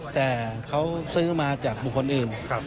แต่เขาซื้อมาจากบุคคลอื่น